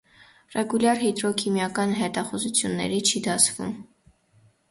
Ռեգուլյար հիդրոքիմիական հետախուզությունների չի դասվում։